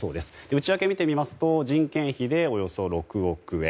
内訳を見てみますと人件費でおよそ６億円。